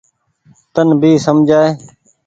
تن ڀي سمجهائي۔